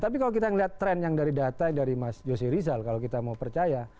tapi kalau kita melihat tren yang dari data dari mas josy rizal kalau kita mau percaya